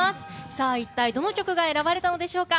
さあ一体、どの曲が選ばれたのでしょうか。